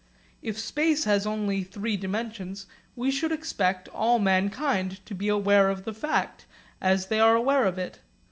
If space has only three dimensions we should expect all mankind to be aware of the fact, as they are aware of it.